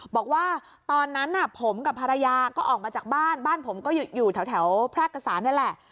บอกว่าตอนนั้นผมกับภรรยาก็ออกมาจากบ้านบ้านผมก็อยู่แถวแพรกษานี่แหละ